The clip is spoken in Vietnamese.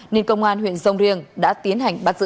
nên công an huyện sông riềng đã tiến hành bắt giữ